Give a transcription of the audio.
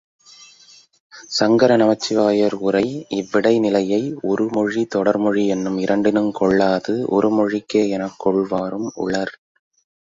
சங்கர நமச்சிவாயர் உரை இவ்விடை நிலையை ஒருமொழி தொடர்மொழி என்னும் இரண்டினுங் கொள்ளாது ஒருமொழிக்கே எனக் கொள்வாரும் உளர்.